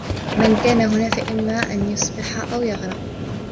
من كان هنا، فإمّا أن يسبح أو يغرق.